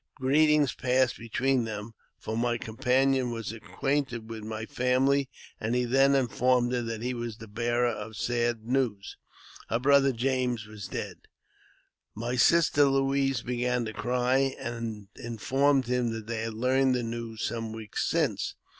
Greetings passed between them, for my companion was acquainted with my family ; and he then informed her that he was the bearer of sad news — her brother James was dead. I JAMES P. BECKWOUBTH. 315 My sister Louise began to cry, and informed him they had learned the news some weeks since.